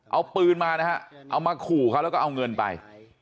เอาปืนมานะฮะเอามาขู่เขาแล้วก็เอาเงินไป